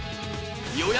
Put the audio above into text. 予約